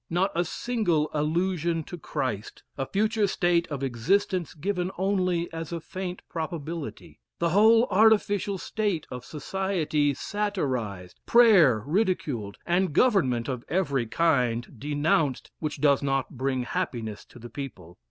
Not a single allusion to Christ a future state of existence given only as a faint probability the whole artificial state of society satirized prayer ridiculed, and government of every kind denounced which does not bring happiness to the people.